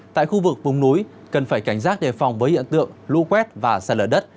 tại khu vực vùng núi cần phải cảnh giác đề phòng với hiện tượng lũ quét và xa lở đất